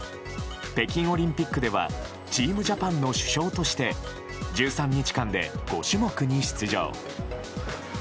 北京オリンピックでは、チームジャパンの主将として、１３日間で５種目に出場。